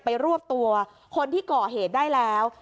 รวบตัวคนที่ก่อเหตุได้แล้ว